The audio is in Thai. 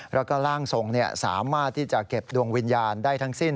แล้วก็ร่างทรงสามารถที่จะเก็บดวงวิญญาณได้ทั้งสิ้น